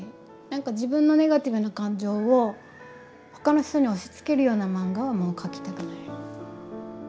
なんか自分のネガティブな感情を他の人に押しつけるような漫画はもう描きたくない。